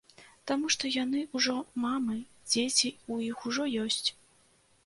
Таму што яны ўжо мамы, дзеці ў іх ужо ёсць.